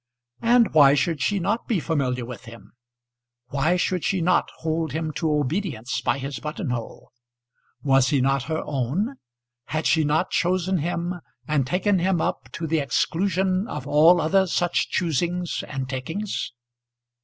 And why should she not be familiar with him? Why should she not hold him to obedience by his buttonhole? Was he not her own? Had she not chosen him and taken him up to the exclusion of all other such choosings and takings?